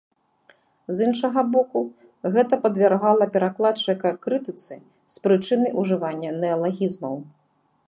З іншага боку, гэта падвяргала перакладчыка крытыцы з прычыны ўжывання неалагізмаў.